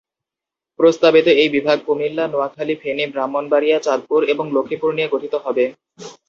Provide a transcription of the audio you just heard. প্রস্তাবিত এই বিভাগ কুমিল্লা, নোয়াখালী, ফেনী, ব্রাহ্মণবাড়িয়া, চাঁদপুর এবং লক্ষ্মীপুর নিয়ে গঠিত হবে।